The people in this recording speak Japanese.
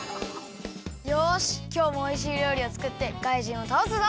よしきょうもおいしいりょうりをつくってかいじんをたおすぞ！